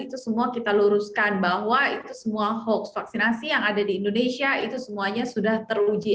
itu semua kita luruskan bahwa itu semua hoax vaksinasi yang ada di indonesia itu semuanya sudah teruji